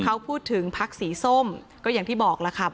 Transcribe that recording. เข้าพูดถึงพศส้มก็อย่างที่บอกแล้วค่ะ